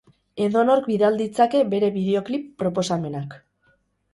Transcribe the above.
Edonork bidal ditzake bere bideoklip proposamenak.